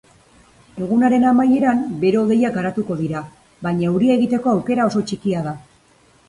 Egunaren amaieran bero-hodeiak garatuko dira, baina euria egiteko aukera oso txikia da.